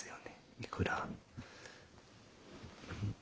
いくら。